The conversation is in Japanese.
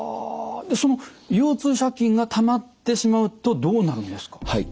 その腰痛借金がたまってしまうとどうなるんですか？